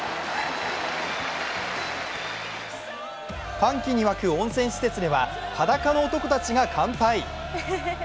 歓喜に沸く温泉施設では、裸の男たちが乾杯。